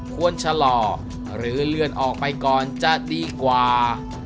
ควรชะลอหรือเลื่อนออกไปก่อนจะดีกว่า